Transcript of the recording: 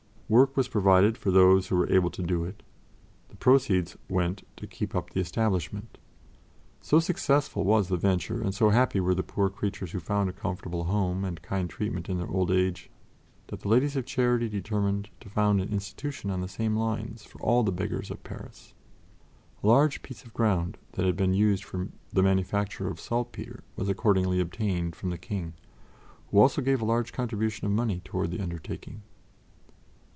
Work was provided for those who were able to do it; the proceeds went to keep up the establishment. So successful was the venture and so happy were the poor creatures who found a comfortable home and kind treatment in their old age that the Ladies of Charity determined to found an institution on the same lines for all the beggars of Paris. A large piece of ground that had been used for the manufacture of saltpetre was accordingly obtained from the King, who also gave a large contribution of money toward the undertaking.